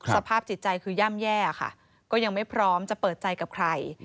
สภาพจิตใจคือย่ำแย่ค่ะก็ยังไม่พร้อมจะเปิดใจกับใคร